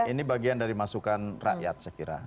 ini bagian dari masukan rakyat saya kira